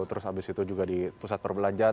terus habis itu juga di pusat perbelanjaan